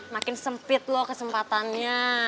makin sempit lo kesempatannya